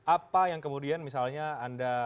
apa yang kemudian misalnya anda